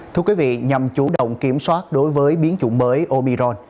thưa quý vị nhằm chủ động kiểm soát đối với biến chủng mới obiron